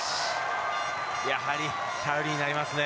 やはり頼りになりますね